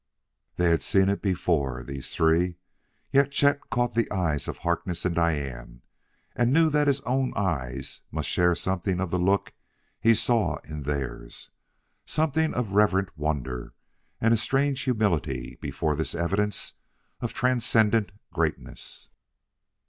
They had seen it before, these three, yet Chet caught the eyes of Harkness and Diane and knew that his own eyes must share something of the look he saw in theirs something of reverent wonder and a strange humility before this evidence of transcendent greatness.